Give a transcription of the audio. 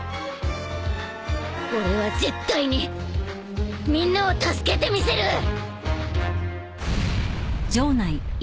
俺は絶対にみんなを助けてみせる！